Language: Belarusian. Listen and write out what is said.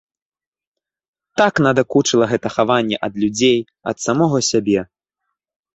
Так надакучыла гэта хаванне ад людзей, ад самога сябе!